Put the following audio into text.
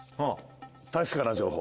確かな情報？